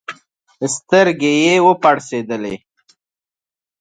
سترګي یې وپړسېدلې